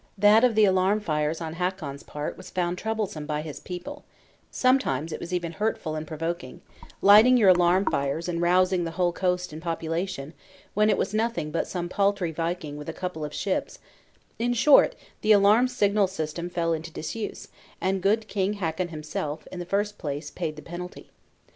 That of the alarm fires on Hakon's part was found troublesome by his people; sometimes it was even hurtful and provoking (lighting your alarm fires and rousing the whole coast and population, when it was nothing but some paltry viking with a couple of ships); in short, the alarm signal system fell into disuse, and good King Hakon himself, in the first place, paid the penalty.